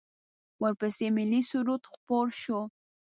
ورپسې ملی سرود خپور شو.